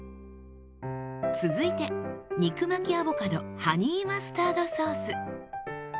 続いて肉巻きアボカドハニーマスタードソース。